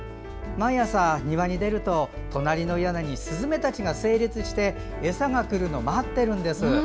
毎朝、庭に出ると隣の屋根にすずめたちが整列して餌が来るのを待ってるんです。